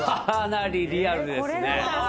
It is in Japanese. かなりリアルですね。